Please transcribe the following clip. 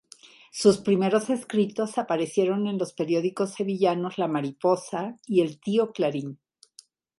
Sus primeros escritos aparecieron en los periódicos sevillanos "La Mariposa" y "El Tío Clarín".